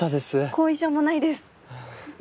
後遺症もないです。